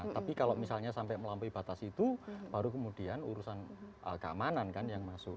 tapi kalau misalnya sampai melampaui batas itu baru kemudian urusan keamanan kan yang masuk